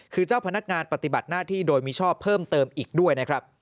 คือเจ้าพนักงานปฏิบัติหน้าที่โดยมิชอบเพิ่มเติมอีกด้วยนะครับ